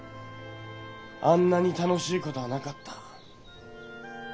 あんなに楽しい事はなかった。